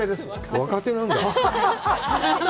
若手なんだ。